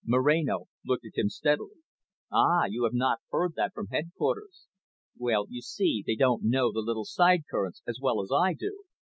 Moreno looked at him steadily. "Ah, you have not heard that from headquarters. Well, you see, they don't know the little side currents as well as I do.